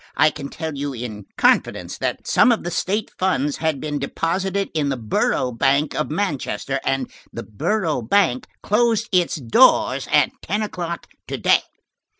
"I can tell you in confidence, that some of the state funds had been deposited in the Borough Bank of Manchester, and–the Borough Bank closed its doors at ten o'clock to day."